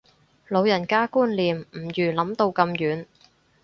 老人家觀念唔預諗到咁遠